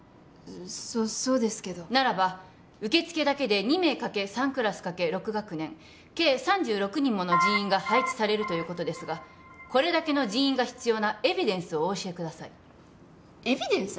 そそうですけどならば受付だけで２名×３クラス×６学年計３６人もの人員が配置されるということですがこれだけの人員が必要なエビデンスをお教えくださいエビデンス？